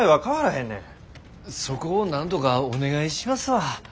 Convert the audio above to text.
そこをなんとかお願いしますわ。